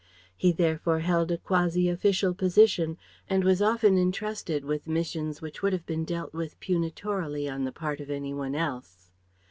He therefore held a quasi official position and was often entrusted with missions which would have been dealt with punitorily on the part of any one else.